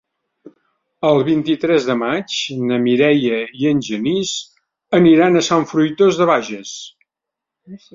El vint-i-tres de maig na Mireia i en Genís aniran a Sant Fruitós de Bages.